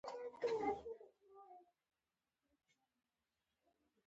د کار د پیل کولو اجازه راکړه.